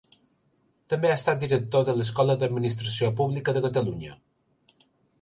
També ha estat director de l’Escola d’Administració Pública de Catalunya.